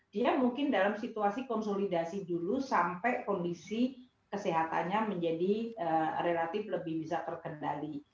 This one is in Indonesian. dia mungkin dalam situasi konsolidasi dulu sampai kondisi kesehatannya menjadi relatif lebih bisa terkendali